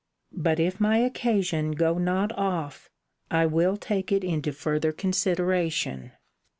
But, if my occasion go not off, I will take it into further consideration.